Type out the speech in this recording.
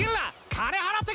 金払ってけ！